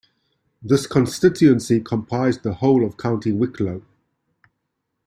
This constituency comprised the whole of County Wicklow.